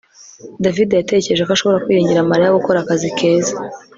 davide yatekereje ko ashobora kwiringira mariya gukora akazi keza